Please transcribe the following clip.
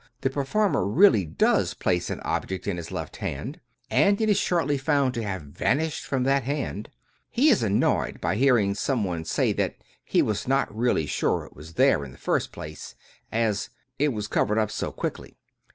the performer really does place an object in his left hand, and it is shortly found to have vanished from that hand, he is annoyed by hearing some one say that he was not really sure it was there in the first place, as " it was covered up so quickly."